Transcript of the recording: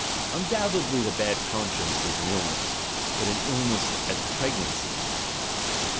Undoubtedly the bad conscience is an illness, but an illness as pregnancy is an illness.